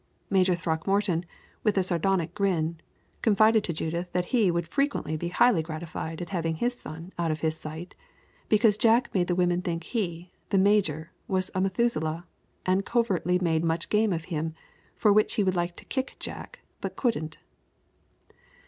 Major Throckmorton, with a sardonic grin, confided to Judith that he would frequently be highly gratified at having his son out of his sight, because Jack made the women think he, the major, was a Methuselah, and covertly made much game of him, for which he would like to kick Jack, but couldn't.